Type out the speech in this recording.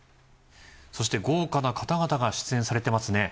そして豪華な方々が出演されてますね。